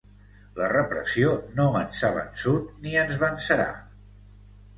La repressió no ens ha vençut ni ens vencerà.